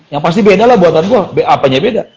yang pasti beda lah buatan gua apanya beda